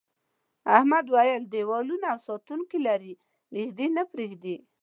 احمد وویل دیوالونه او ساتونکي لري نږدې نه پرېږدي.